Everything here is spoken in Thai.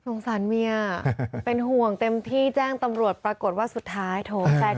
สารเมียเป็นห่วงเต็มที่แจ้งตำรวจปรากฏว่าสุดท้ายโถแฟน